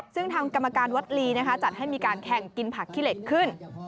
ซึ่งทางกรรมการวัดลีจัดให้มีการแข่งกินผักขี้เหล็กขึ้น